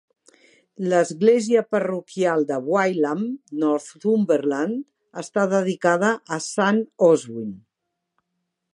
L'església parroquial de Wylam, Northumberland, està dedicada a Sant Oswin.